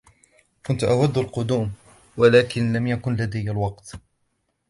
كنتُ أودُ القدوم, ولكن لم يكن لدي الوقت.